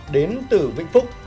đến từ vĩnh phúc